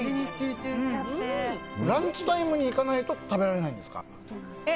ランチタイムに行かないと食べられないんですか？